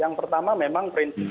yang pertama memang prinsip